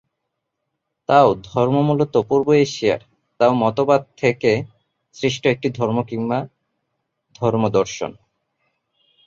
তাও ধর্ম মূলত পূর্ব এশিয়ার তাও মতবাদ থেকে সৃষ্ট একটি ধর্ম কিংবা ধর্ম-দর্শন।